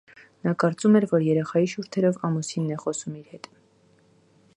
Նա կարծում էր, որ երեխայի շուրթերով ամուսինն է խոսում իր հետ։